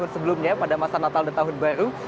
sebelumnya pada masa natal dan tahun baru